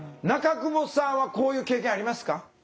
中久保さんはこういう経験ありますか？